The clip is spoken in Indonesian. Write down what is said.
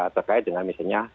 terkait dengan misalnya